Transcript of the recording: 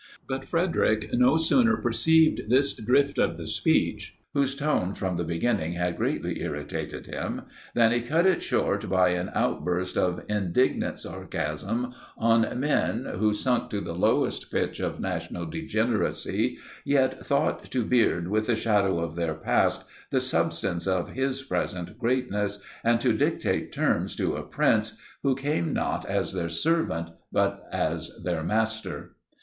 But Frederic no sooner perceived this drift of the speech, whose tone from the beginning had greatly irritated him, than he cut it short by an outburst of indignant sarcasm on men, who, sunk to the lowest pitch of national degeneracy, yet thought to beard with the shadow of their past, the substance of his present greatness, and to dictate terms to a prince, who came not as their servant but as their master.